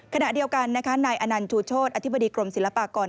ขณะเดียวกันนะคะนายอนันต์ชูโชธอธิบดีกรมศิลปากร